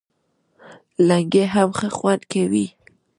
لنګۍ هم ښه خوند کوي